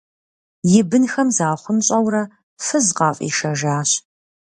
И бынхэм захъунщӏэурэ фыз къафӏишэжащ.